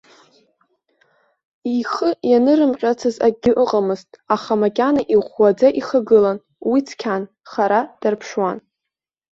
Ихы ианырымҟьацыз акгьы ыҟамызт, аха макьана иӷәӷәаӡа ихагылан, уи цқьан, хара дарԥшуан.